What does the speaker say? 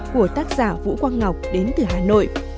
của tác giả vũ quang ngọc đến từ hà nội